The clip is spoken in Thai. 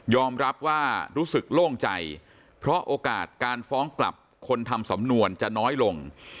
รับว่ารู้สึกโล่งใจเพราะโอกาสการฟ้องกลับคนทำสำนวนจะน้อยลง